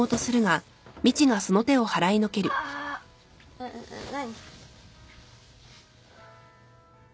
えっ何？